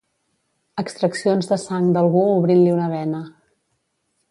Extraccions de sang d'algú obrint-li una vena.